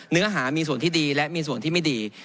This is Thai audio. เนื้อหามีส่วนที่ดีและมีส่วนที่ไม่ดี